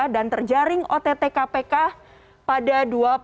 dan terjaring ott kpk pada dua ribu dua puluh tujuh